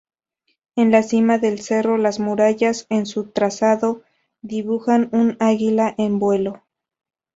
En la cima del Cerro, las murallas en su trazado, dibujan un águila en vuelo.